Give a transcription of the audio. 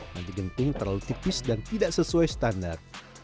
nanti genting terlalu tipis dan tidak sesuai standar